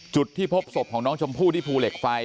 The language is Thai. จุดที่พบศพของน้องชมพู่ที่ภูเหล็กไฟ